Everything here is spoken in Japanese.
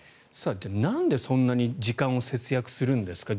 なんで、そんなに時間を節約するんですか。